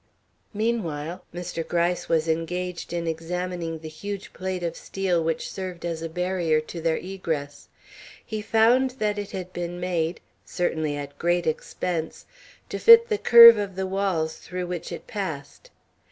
Meanwhile Mr. Gryce was engaged in examining the huge plate of steel which served as a barrier to their egress. He found that it had been made certainly at great expense to fit the curve of the walls through which it passed.